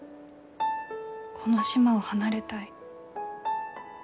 この島を離れたい。